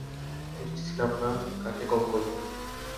নিশ্চিত ছিলাম না কাকে কল করবো।